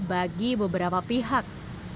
bagi beberapa pihak